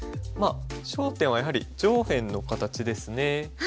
まあ焦点はやはり上辺の形ですね。